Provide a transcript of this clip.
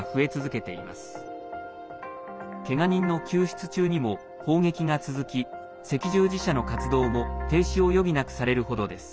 けが人の救出中にも砲撃が続き赤十字社の活動も停止を余儀なくされるほどです。